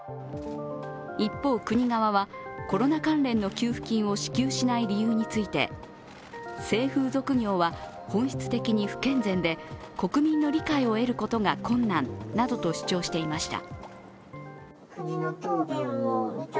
一方、国側は、コロナ関連の給付金を支給しない理由について性風俗業は本質的に不健全で国民の理解を得ることが困難などと主張していました。